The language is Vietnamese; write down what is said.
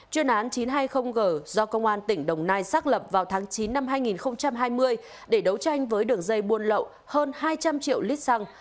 chuyên án chín trăm hai mươi g do công an tỉnh đồng nai xác lập vào tháng chín năm hai nghìn hai mươi để đấu tranh với đường dây buôn lậu hơn hai trăm linh triệu lít xăng